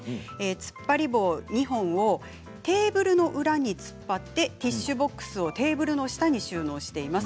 つっぱり棒２本をテーブルの裏に突っ張ってティッシュボックスをテーブルの下に収納しています。